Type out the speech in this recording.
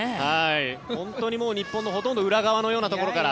本当に日本のほとんど裏側のようなところから。